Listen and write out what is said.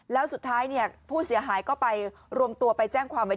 แล้วสุดท้ายผู้เสียหายก็ไปรวมตัวไปแจ้งความไว้